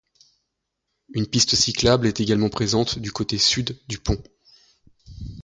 Une piste cyclable est également présente du côté sud du pont.